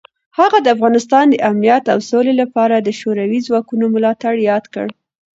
هغه د افغانستان د امنیت او سولې لپاره د شوروي ځواکونو ملاتړ یاد کړ.